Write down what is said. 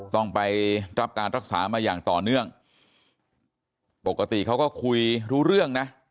ต้องไปรับการรักษามาอย่างต่อเนื่องปกติเขาก็คุยรู้เรื่องนะ